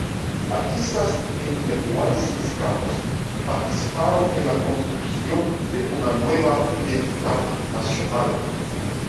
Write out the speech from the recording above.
Artistas e intelectuales mexicanos participaron en la construcción de una nueva identidad nacional.